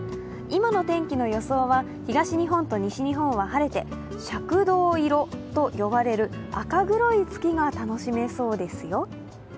今の天気の予想は東日本と西日本は晴れて赤銅色と呼ばれる赤黒い月が楽しめそうですよ。